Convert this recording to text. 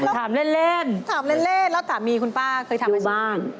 ถามเล่นถามเล่นแล้วสามีคุณป้าเคยทำอยู่บ้าน